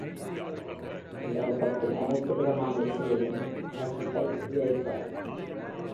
இந்த ஆல்பத்தில் அனைத்து விதமான இசையையும் மஸ்விடல் உபயோகித்தார்.